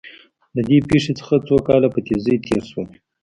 له دې پېښې څخه څو کاله په تېزۍ تېر شول